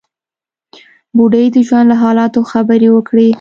بوډۍ د ژوند له حالاتو خبرې وکړې.